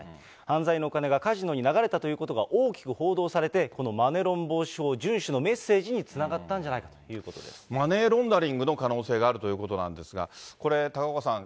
犯罪のお金がカジノに流れたということが大きく報道されて、このマネロン防止法順守のメッセージにつながったんじゃないかとマネーロンダリングの可能性があるということなんですが、これ高岡さん、